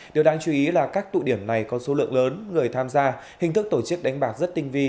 điều đáng chú ý là các tụ điểm này có số lượng lớn người tham gia hình thức tổ chức đánh bạc rất tinh vi